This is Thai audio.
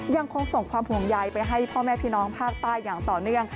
ยังคงส่งความห่วงใยไปให้พ่อแม่พี่น้องภาคใต้อย่างต่อเนื่อง